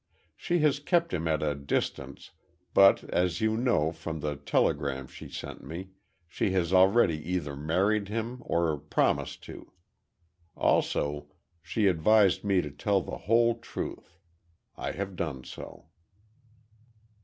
She has kept him at a distance, but, as you know from the telegram she sent me, she has already either married him or promised to. Also, she advised me to tell the whole truth. I have done so."